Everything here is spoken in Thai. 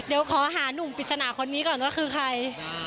เดี๋ยวขอหานุ่มปริศนาคนนี้ก่อนว่าคือใคร